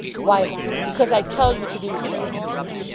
"Why! Because I tell you to do so."